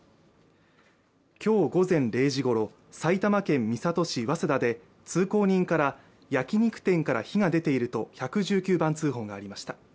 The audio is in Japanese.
今日午前０時ごろ、埼玉県三郷市早稲田で通行人から焼き肉店から火が出ていると１１９番通報がありました。